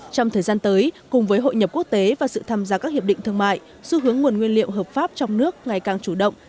trong thời gian tới cùng với hội nhập quốc tế và sự tham gia các hiệp định thương mại xu hướng nguồn nguyên liệu hợp pháp trong nước ngày càng chủ động